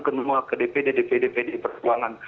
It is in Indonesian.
kemudian ke depan ke dpd ke dpd dpd persoalan